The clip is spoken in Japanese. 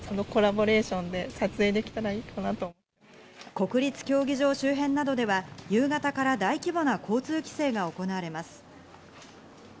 国立競技場周辺などでは、夕方から大規模な交通規制が行われます。